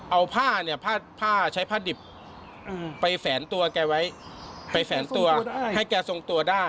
เอาผ้าเนี่ยผ้าใช้ผ้าดิบไปแฝนตัวแกไว้ไปแฝนตัวให้แกทรงตัวได้